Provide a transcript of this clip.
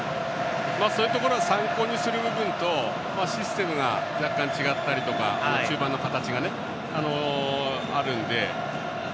そういうところは参考にする部分とシステムが若干、違ったりとか中盤の形が、あるので。